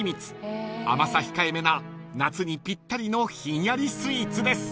［甘さ控えめな夏にぴったりのひんやりスイーツです］